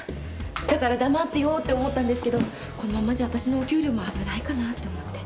だから黙ってようって思ったんですけどこのままじゃわたしのお給料も危ないかなって思って。